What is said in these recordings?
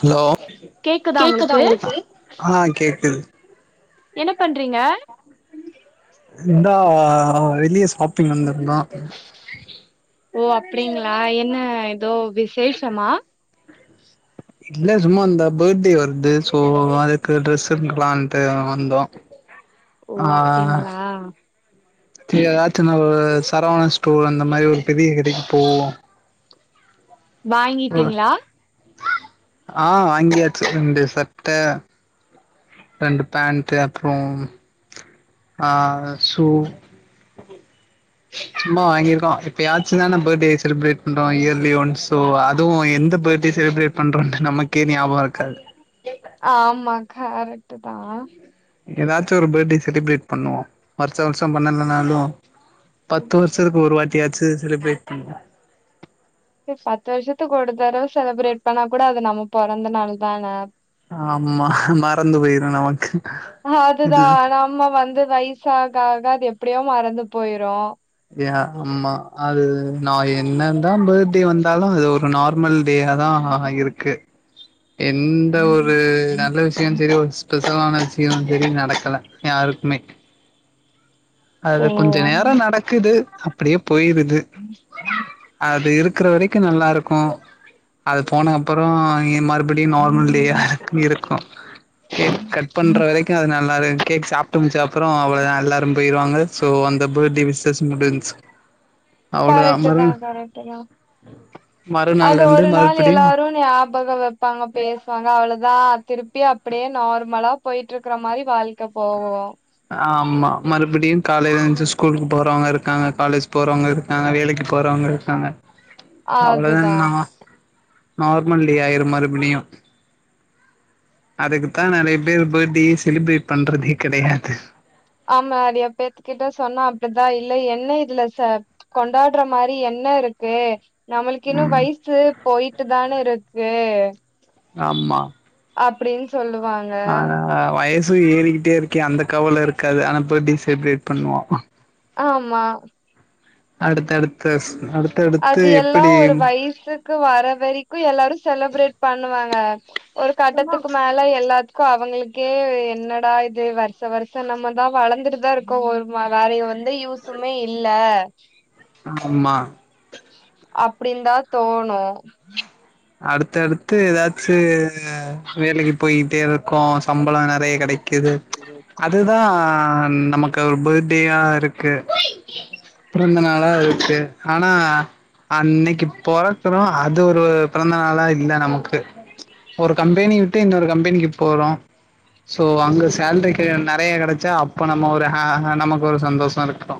hello கேக்குதா உங்களுக்கு ஆ கேக்குது என்ன பண்றீங்க இந்தா வெளிய ஷாப்பிங் வந்திருந்தோ ஓ அப்டிங்களா என்ன ஏதோ விசேஷமா இல்ல சும்மா இந்த பேர்த்டே வருது சோ அதுக்கு ட்ரெஸ் எடுக்கலான்ட்டு வந்தோ [inaudible] ஆ அப்டிங்களா எதாச்சு ஒரு சரவண ஸ்டோர் அந்த மாரி ஒரு பெரிய கடைக்கு போவோ வாங்கிட்டீங்ளா ஆ, வாங்கியாச்சு ரெண்டு சட்ட ரெண்டு பேண்ட் அப்றோ ஆ ஷூ [inaudible] சும்மாவா வாங்கியிருக்கோ எப்பயாச்சுதான பர்த்டே செலிப்ரேட் பண்றோ இயர்லி ஒன் சோ அதுவு எந்த பர்த்டே செலிப்ரட் பண்றோன்ட்டு நமக்கே ஞாபகம் இருக்காது ஆமா கரெக்ட்டு தா ஏதாச்சு ஒரு பர்த்டே செலிப்ரேட் பண்ணுவோ வருஷா வருஷோ பண்ணலனாலு பத்து வருஷத்துக்கு ஒருவாட்டியாச்சு செலிப்ரேட் பண்ணு சேரி பத்து வருஷத்துக்கு ஒரு தடவ செலப்ரேட் பண்ணா கூட அது நம்ம பெறந்த நாள்தான ஆமா மறந்து போயிரு நமக்கு அதுதா இது நம்ம வந்து வயசாகாக அது எப்டியோ மறந்து போயிரு யா, ஆமா அது நா என்னதா பர்த்டே வந்தாலு அது ஒரு நார்மல் டேயாதா இருக்கு எந்த ஒரு நல்ல விஷியோ செரி ஸ்பெ ஷலான விஷ்யோ இதுவரையு நடக்கல யாருக்குமே அது ஓ கொஞ்ச நேரம் நடக்குது அப்டியே போயிருது அது இருக்ற வரைக்கு நல்லா இருக்கு, அது போன அப்பறோ இ மறு படியு நார்மல் டேயா இருக்கு இருக்கு கேக் கட் பண்ற வரைக்கு அது நல்லா இருக்கு கேக் சாப்ட்டு முடிச்ச அப்பறோ அவ்வளதா எல்லாரு போயிருவாங்க சோ அந்த பர்த்டே விஷ்சஸ் முடிஞ்ச்சு கரெக்ட்டுதா கரெக்ட்டுதா அது மறுநாள்ல இருந்து ஒரு நாள் மறுபடியு எல்லாரு ஞா பக வப்பாங்க பேசுவாங்க அவ்ளதா திருப்பி அப்டியே நார்மலா போயிட்டு இருக்ற மாரி வாழ் க்க போவு ஆமா மறுபடியு காலைல எழுந்துச்சு ஸ்கூலுக்கு போறவங்க இருக்காங்க, காலேஜ் போறவங்க இரு க்காங்க, வேலைக்கு போறவங்க இருக்காங்க அவ்வளதா அதுதான் என்னா நார்மல் டே ஆயிரு மறுபிடியு அதுக்குதா நெறைய பேர் பர்த்டேயே செலிப்ரேட் பண்றதே கெடையாது ஆமா நெறையா பேத்துக்கிட்ட சொன்னா அப்டிதா இல்ல என்ன இல்ல சா கொண்டாட்ற மாரி என்ன இருக் க்கு நம்மளுக்கு இன்னு ம் வயிசு போயிட்டுதான இருக்கு ஆமா அப்டின்னு சொல்லுவாங்க ஆ வயசு ஏறிக்கிட்டே இருக்கே அந்த கவல இருக்காது ஆனா பர்த்டே செலிப்ரேட் பண்ணுவோ ஆமா அடுத்தடுத்த சு அடு அது எல்லா ஒரு வயசு க்கு வர வரைக்கு எல்லாரு செலப்ரேட் பண்ணுவாங்க ஒரு கட்டத்துக்கு மேல எல்லா க்கு அவங்களுக்கே என்னடா இது வருஷ வருஷ நம்மதா வளந்துட்டுதா இருக்கோ, ஒரு வேற எந்த யூஸ் சுமே இல்ல ஆமா அப்டின்தா தோணு அடுத்தடுத்து ஏதாச்சு வேலைக்கி போயிகிட்டே இரு க்கோ சம்பளம் நறைய கிடைக்குது அதுதா நமக் க்கு ஒரு பர்த்டேயா இருக்கு பிறந்த நாளா இருக்கு ஆனா அன்னைக்கு பொறக்குறோ அது ஒரு பொறந்த நாள்லா இல்ல நமக்கு ஒரு கம்பெனி விட்டு இன்னொரு கம்பெனிக்கு போறோ சோ அங்க சேல்ரி நறைய கடைச்சா அப்போ அ அ நமக்கு ஒரு சந்தோஷோ இருக்கோ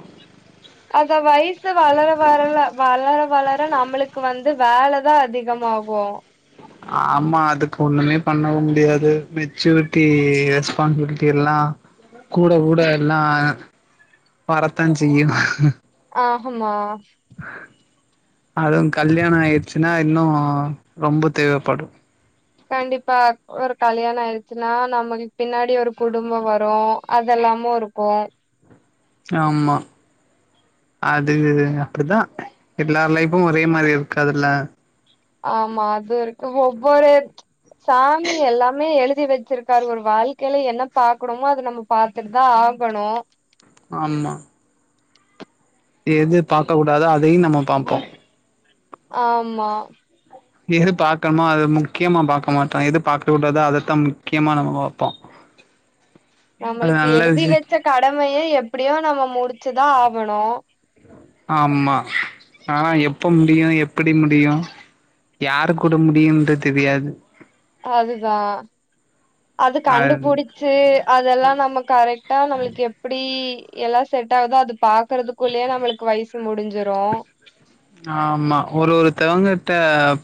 அத வயசு வளர வரல வளர வளர நம்மளுக்கு வந்து வேலதா அதிகமாகு ஆமா அதுக்கு ஒன்னுமே பண்ணவு முடியாது மெச்சூரிட்டி ரெஸ்பான்சிபிலிட்டில்லா கூட கூட எல்லா வரத்தா செய்யு ஆ ஹாம்மா அதுவு கல்யாணோ ஆயிடுச்சுன்னா இன்னு ரொம்ப தேவப்படு கண்டிப்பா ஒரு கல்யாணோ ஆயிடுச்சுன்னா நமக்கு பின்னாடி ஒரு குடும்போ வரு அதெல்லாமு இருக்கு ஆமா அது அப்டிதா எல்லார் லைஃபு ஒரே மாதிரி இருக்குகாதுல ஆமா அது இருக்கு ஒவ்வொரு சாமி எல்லாமே எழுதி வச்ச வச்சிருக்காரு ஒரு வாழ்க்கையில என்ன பாக்கணுமோ அத நம்ம பாத்துட்டுதா ஆகணு ஆமா எது பாக்க கூடாதோ அதையு நம்மோ பாப்போ ஆமா எது பாகக்கணுமோ அது முக்கியமா பாக்க மாட்டோ எது பாக்க கூடாதோ அதத்தா முக்கியமா நம்ம பாப்போ அது நம்மளுக்கு நல்ல எழுதி விஷய வச்ச கடமைய எப்படியு நம்ம முடிச்சுதா ஆகணு ஆமா ஆனா எப்ப முடியு எப்படி முடியு யாரு கூட முடியுன்றது தெரியாது அதுதா அது கண்டுபுடிச்சி அதெல்லா நம்ம கரெக்டா நம்மளுக்கு எப் எப்புடி எல்லா செட் ஆகுதோ அது பாக்குறதுக்குள்ளயே நம்மளுக்கு வயசு முடிஞ்சிரு ஆமா ஒரு ஒரு தவங்கிட்ட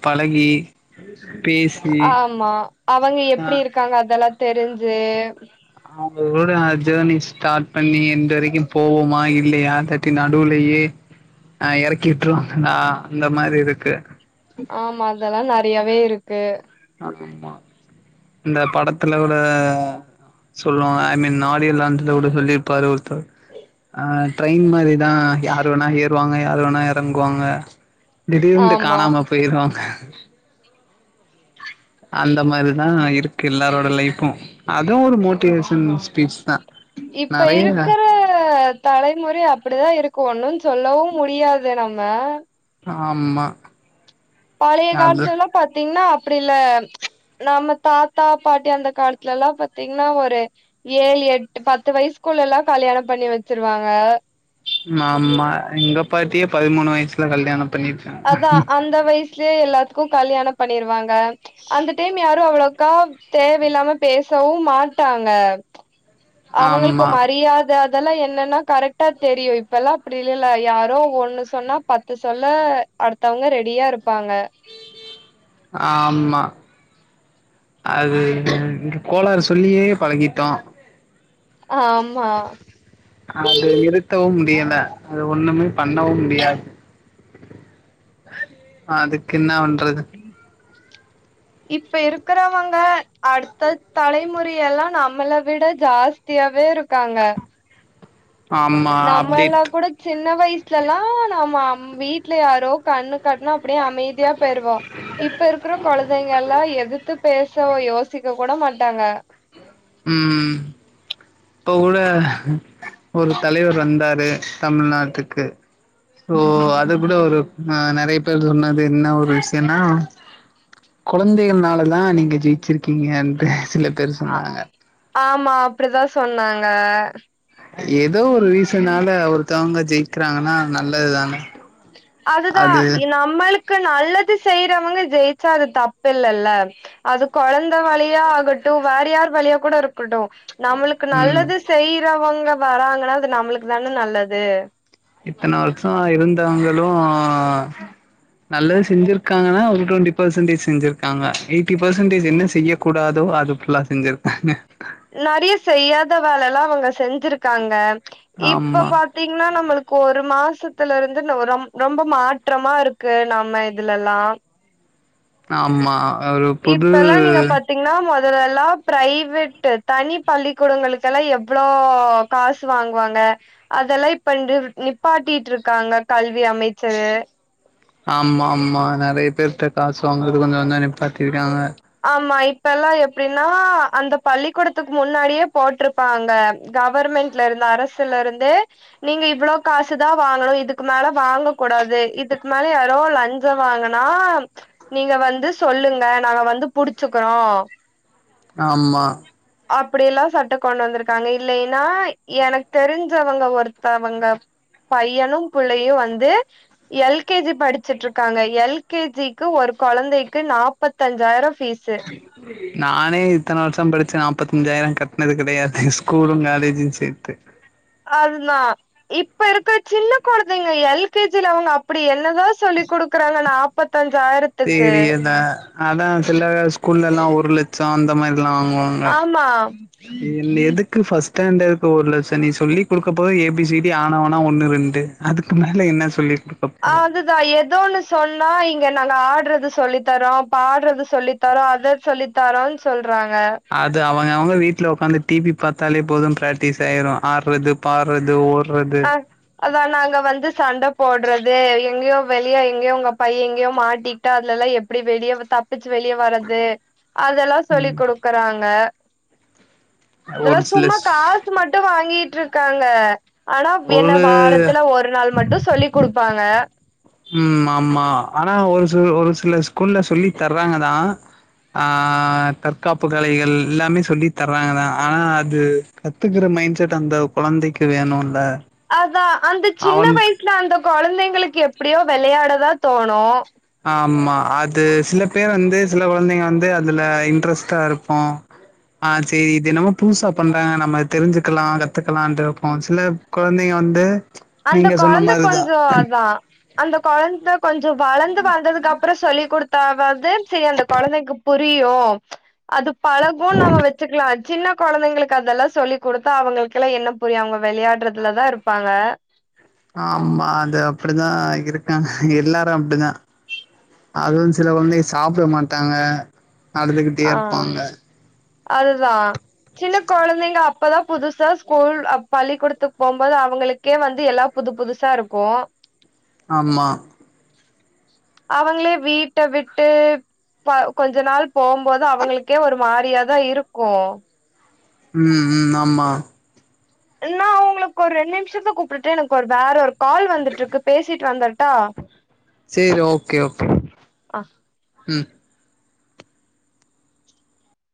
பழகி பி ஆமா அவங்க எப்டி இருக்காங்க அதெல்லா தெரிஞ்சி அவங்களோட ஜேர்னி ஸ்டார்ட் பண்ணி எண்டு வரைக்கு போவோமா இல்லையா அத இப்டி நடுவுலேயே அ எறக்கிவிட்றுவாங்ளா அந்த மாரி இருக்கு ஆமா அதெல்லா நறையாவே இருக்கு ஆமா இந்த படத்துல கூட சொல்லுவாங்க ஐ மீன் ஆடியோ லாஞ்ச்ல கூட சொல்லி இருப்பாரு ஒருத்தர் அ ட்ரெயின் மாரிதா யாரு வேணா ஏறுவாங்க யாரு வேணா எறங்குவாங்க திடீர்ன்டு ஆமா காணாம போயிருவாங்க அந்த மாரிதா இருக்கு எல்லாரோட லைஃப்பு அதுவு ஒரு மோட்டிவேஷன் ஸ்பீச் தா இப்ப நெறைய இருக்கற தலைமுறை அப்படிதா இருக்கு ஒன்னு சொல்லவு முடியாது நம்ம அமா பழைய காலத்துலல்லா பாத்தீங்கன்னா அப்டி இல்ல நம்ம தாத்தா பாட்டி அந்த காலத்துல எல்லா பாத்தீங்கன்னா ஒரு ஏழு எட்டு பத்து வயசுக்குள்ள எல்லா கல்யாணோ பண்ணி வெச்சிருவாங்க ஆமா எங்க பாட்டியே பதிமூணு வயசுல கல்யாணம் பண்ணிட்டாங்க அதா அந்த வயசு சுலேயே எல்லாத்துக்கு கல்யாணோ பண்ணிருவாங்க அந்த டைம் யாரு அவ்ளோக்கா தேவயில்லாம பேசவு மாட்டாங்க அவங்களுக்கு ஆமா மரியாத அதெல்லா என்னன்னா கரெக்டா தெரியு இப்பல்லா அப்படி இல்லல யாரோ ஒண்ணு சொன்னா பத்து சொல்ல அடுத்தவுங்க ரெடியா இருப்பாங்க ஆமா அது கோளாறு சொல்லியே பழகிட்டோ ஆமா அது நிறுத்தவு முடியல அது ஒண்ணுமே பண்ணவு முடியாது அதுக்கின்னா பண்றது உ இப்ப இருக்கிறவங்க அடுத்த தலைமுறை எல்லா நம்மள விட ஜாஸ் த்தியாவே இருக்காங்க ஆமா நம்ம எல்லா அப்டேட் கூட சின்ன வயசுலலா நாம அம் வீட்ல யாரோ கண்ணு காட்னா அப்படியே அமைதியா போயிருவோ இப்ப இருக்கிற கொழந்தைங்க எல்லா எதிர்த்து பேச யோசிக்க கூட மாட்டாங்க ம் இப்போ கூட ஒரு தலைவர் வந்தாரு தமிழ்நாட்டுக்கு ஓ அது கூட ஒரு அ நெறைய பேர் சொன்னது என்ன ஒரு விஷியன்னா கொழந்தைகள்னாலதா நீங்க ஜெயிச்சிருக்கீங்கன்டு சில பேரு அ சொன்னாங்க ஆமா அப்டிதா சொன்னாங்க எதோ ஒரு ரீசன்னால ஒருத்தவங்க ஜெயிக்கிறாங்கன்னா நல்லதுதானே அதுதா இ நம்மளுக் க்கு நல்லது செய்றவங்க ஜெயிச்சா அது தப்பில்லல்ல அது கொழந்த வழியா ஆகட்டு வேற யார் வழியா கூட இருக்கட்டு நம்மளுக்கு ம் நல்லது செய்யறவங்க வராங்கனா அது நம்மளுக்கு தான நல்லது இத்தன வர்ஷோ இருந்தவங்களு நல்லது செஞ்சிருக்காங்கன்னா ஒரு டொண்டி பேசன்டேஜ் செஞ்சிருக்காங்க எயிட்டி பேசன்டேஜ் என்ன செய்ய கூடாதோ அது ஃபுல்லா செஞ்சிருக்காங்க நெறிய செய்யாத வேலல்லா அவுங்க செஞ்சிருக்காங்க இப்ப பா ஆமா பாத்தீங்ன்னா நம்மளுக்கு ஒரு மாசத்துல இருந்து ந ஒரு ரொ ரொம்ப மாற்றமா இருக்கு நாம இதுலெல்லா ஆமா அ ஒரு புது பாத்தீங்ன்னா மொதல எல்லா ப்ரைவேட்டு தனி பள்ளிக்கூடங்களுக்கெல்லா எவ்வளோ காசு வாங்குவாங்க அதெல்லா இப்ப நிப்பாட்டிட்ருக்காங்க கல்வி அமை ச்சரு ஆமா ஆமா நெறைய பேர்ட காசு வாங்கறத கொஞ்சொ கொஞ்சொ நிப்பாட்டிருக்காங்க ஆமா இப்பெல்லா எப்டினா அந்த பள்ளிக்கூடத்துக் முன்னாடியே போட்ருப் பாங்க கவர்மெண்ட்ல இருந்த அரசுல இருந்தே நீங்க இவ்வளோ காசு தா வாங்கணு இதுக்கு மேல வாங்க கூடாது இதுக்கு மேல யாரோ லஞ் ச வாங்கனா நீங்க வந்து சொல்லுங்க நாங்க வந்து புடிச்சுக்கறோ ஆமா அப்டி எல்லா சட்டோ கொண்டு வந்திருக்காங்க இல்லையினா எனக் தெரிஞ்சவங்க ஒருத்தவங்க பையனு புள்ளையு வந்து எல்கேஜி படிச்சுட்ருக்காங்க எல்கேஜிக்கு ஒரு கொழந்தைக்கு நாப்பத்தஞ்சாயிர ஃபீஸு உம் நானே இத்தன வருஷம் படிச்ச நாப்பத்தஞ்சாயிர கட்னது கெடையாது ஸ்கூலு காலேஜு சேத்து அதுனா இப்ப இருக்கற சின்ன கொழந்தைங்க எல்ஸகே ஜில அவங்க அப்புடி என்னதா சொல்லி குடுக்கறாங்க நா ப்பத்தஞ்சாயிரோ தெரியதா அதா செல்ல ஸ்கூல்லல்லா ஒரு லட்சோ அந்த மாரில்லா வாங்குவோ [unintelligible] ஆமா ன் எதுக் இங்கு ஃபஸ்ட் ஸ்டாண்டர்ட்க்குள்ள ச நீ சொல்லி குடுக்க போறது ஏபிசிடி ஆன ஓனா ஒன்னு ரெண்டு அதுக்கு மேல என்ன சொல்லி குடு அதுதா ஏதோன்னு சொன்னா இங்க நாங்க ஆடுறது சொல்லி தரோ பாடுறது சொல்லி தரோ அதோ சொல்லி தரோ சொல்றாங்க அது அவங்கவங்க வீட்ல உக்காந்து டிவி பாத்தாலே போது பிராக்டிஸாயிரு ஆடுறது பாடுறது ஓட் ஆ அதா நாங்க வந்து சண்ட போடறது எங்கேயோ வெளியா எங்கேயோ உங்க பையே எங்கேயோ மாட்டி கிட்டா அதுலல்லா எப்பிடி வெளியே தப்பிச்சு வெளியே வர்றது அதெல்லா சொல்லி ம் குடுக்குறாங்க இதெல்லா ஒரு சில சும்மா காசு மட்டு வாங்கிட்டுருக்காங்க ஆனா என்ன ஒரு வாரத்துல ஒரு நாள் மட்டு சொல்லி குடுப்பாங்க ம் ஆமா ஆனா ஒரு சில ஒரு சில ஸ்கூல்ல சொல்லி தர்றாங்கதா ஆ தற்காப்பு கலைகள் எல்லாமே சொல்லி தர்றாங்கதா ஆனா அது கத்துக்குற மைண்ட்செட் அந்த கொழந்தைக்கி வேணுல்ல அதா அந்த சின்ன அவன் வயசுல அந்த கொழந்தைங்களுக்கு எப்பிடியோ வெளையாடதா தோணு ஆமா அது சில பேர் வந்து சில கொழந்தைங்க வந்து அதுல இன்ட்ரெஸ்டாருக்கு ஆ செரி இது என்னமோ புதுசா பண்றாங்க நம்ம தெரி்சுக்கலா கத்துக்கலா இருப்போ சில கொழந்தைங்க வந்து அந்த நீங்க சொன்ன கொழந்த மாரிதா கொஞ்சோ அதா அந்த கொழந்த கொஞ்சோ வளந்து வளந்ததுக்கு அப் புறோ சொல்லி் குடுத்தாவது செரி அந்த கொழந்தைக்கு புரியு அது பழகுன் நாம வெச்சுக்கலா சின்ன கொழந்தைங்களுக்கு அதெல்லா சொல்லி் குடுத்தா அவங்களுக்கெல்லா என்ன புரியு அவங்க வெளையாடுறதுலதா இருப்பாங்க ஆமா அது அப்படிதா இருக்காங்க எல்லாரு அப்படிதா அதுவு சில கொழந்தைங்க சாப்ட மாட்டாங்க அழுதுகிட்டே ஆ இருப்பாங்க அதுதா சின்ன கொழந்தைங்க அப்பதா புதுசா ஸ்கூல் ஆ பள்ளிக்கூடத்துக்கு போம்போது அவங்களுக்கே வந்து எல்லா புது புதுசாருக்கு [inaudible] ஆமா அவங்களே வீட்ட விட்டு ப கொஞ்ச நாள் போகும்போது அவங்களுக்கே ஒரு மாரியாதா இருக்கு ம் ம் ஆமா என்னா அவுங்களுக்கு ஒரு ரெண்டு நிமிஷத்துல கூப்ட்டுட்டு எனக்கு ஒரு வேற ஒரு கால் வந்துட்டுருக்கு பேசிட்டு வந்தர்ட்டா சேரி ஓகே ஓகே ஆ ம்